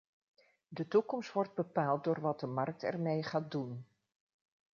De toekomst wordt bepaald door wat de markt ermee gaat doen.